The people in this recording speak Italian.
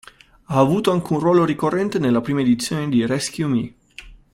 Ha avuto anche un ruolo ricorrente nella prima edizione di "Rescue Me.